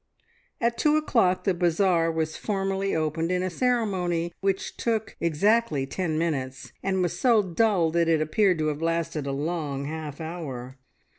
At two o'clock the bazaar was formally opened in a ceremony which took exactly ten minutes, and was so dull that it appeared to have lasted a long half hour.